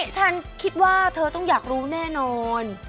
ฉันคิดว่าเธอต้องอยากรู้แน่นอน